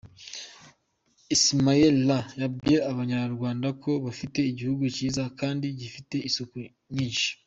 Ismaël Lô yabwiye Abanyarwanda ko bafite igihugu cyiza kandi gifite isuku nyinshi.